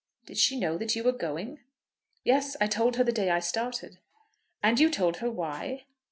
"Did she know that you were going?" "Yes; I told her the day I started." "And you told her why?"